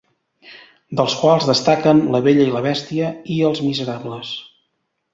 Dels quals destaquen 'La Bella i la Bèstia' i 'Els Miserables'.